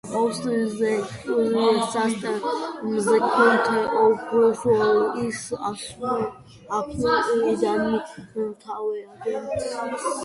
Outside the judicial system, the concept of recusal is also applied in administrative agencies.